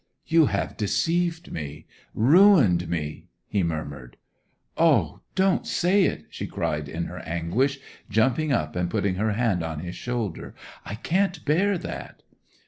'You have deceived me—ruined me!' he murmured. 'O, don't say it!' she cried in her anguish, jumping up and putting her hand on his shoulder. 'I can't bear that!